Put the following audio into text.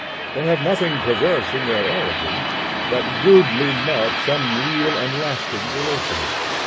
They have nothing perverse in their origin, but rudely mark some real and lasting relation.